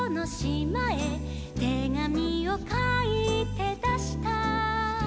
「てがみをかいてだした」